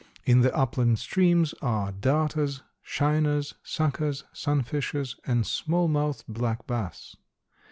In the upland streams are darters, shiners, suckers, sunfishes and small mouthed black bass.